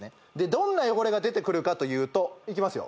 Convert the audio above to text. どんな汚れが出てくるかというといきますよ